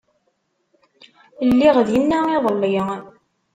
Lliɣ dinna iḍelli.